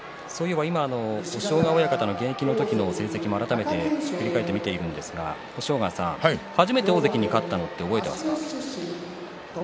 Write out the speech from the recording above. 押尾川親方の現役の時の成績も改めて振り返ってみているんですが初めて大関に勝ったのって覚えていますか？